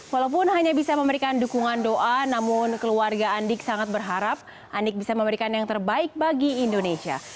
walaupun hanya bisa memberikan dukungan doa namun keluarga andik sangat berharap andik bisa memberikan yang terbaik bagi indonesia